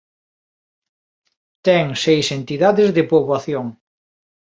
Ten seis entidades de poboación.